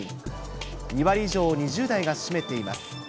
２割以上を２０代が占めています。